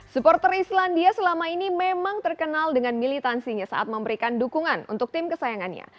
supporter islandia selama ini memang terkenal dengan militansinya saat memberikan dukungan untuk tim kesayangannya